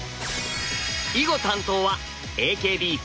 囲碁担当はＡＫＢ４８。